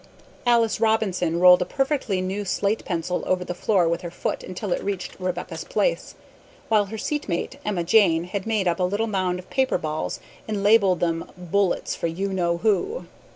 Alice Robinson rolled a perfectly new slate pencil over the floor with her foot until it reached Rebecca's place, while her seat mate, Emma Jane, had made up a little mound of paper balls and labeled them "Bullets for you know who."